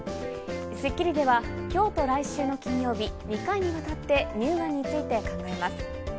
『スッキリ』では今日と来週の金曜日、２回にわたって乳がんについて考えます。